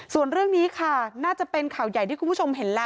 ส่วนเรื่องนี้ค่ะน่าจะเป็นข่าวใหญ่ที่คุณผู้ชมเห็นแล้ว